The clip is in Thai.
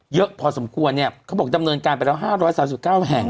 เยอะพอสมควรเนี้ยเขาบอกจำเนินการไปแล้วห้าร้อยสามสิบเก้าแห่ง